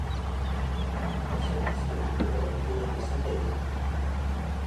La somme est disponible pendant une durée de cinq années.